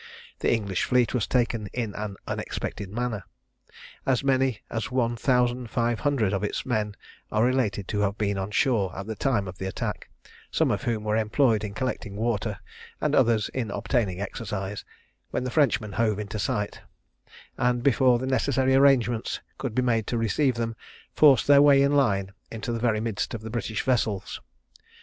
The English fleet was taken in an unexpected manner. As many as one thousand five hundred of its men are related to have been on shore at the time of the attack; some of whom were employed in collecting water, and others in obtaining exercise, when the Frenchmen hove in sight; and before the necessary arrangements could be made to receive them, forced their way in line into the very midst of the British vessels.